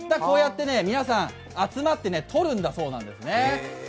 こうやって皆さん集まってとるんだそうなんですね。